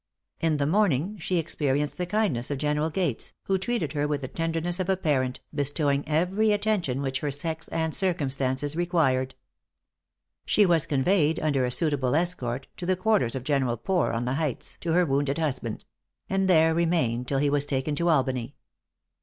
In the morning she experienced the kindness of General Gates, who treated her with the tenderness of a parent, bestowing every attention which her sex and circumstances required. She was conveyed, under a suitable escort, to the quarters of General Poor on the heights, to her wounded husband; and there remained till he was taken to Albany.